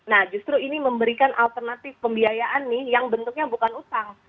nah justru ini memberikan alternatif pembiayaan nih yang bentuknya bukan utang